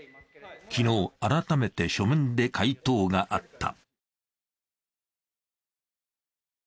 昨日、改めて書面で回答があった。